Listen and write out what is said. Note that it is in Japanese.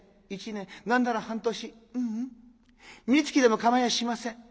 １年何なら半年ううんみつきでも構いやしません。